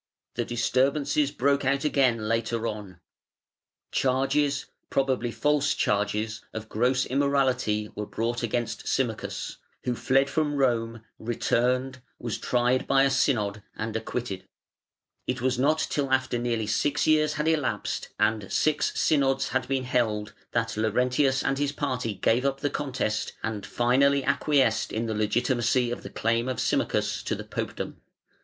The disturbances broke out again later on; charges, probably false charges, of gross immorality were brought against Symmachus, who fled from Rome, returned, was tried by a Synod, and acquitted. It was not till after nearly six years had elapsed and six Synods had been held, that Laurentius and his party gave up the contest and finally acquiesced in the legitimacy of the claim of Symmachus to the Popedom.